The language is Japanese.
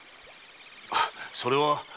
それは。